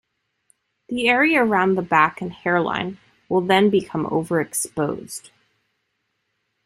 The area around the back and hairline will then become over-exposed.